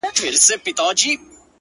له هنداري څه بېــخاره دى لوېـــدلى”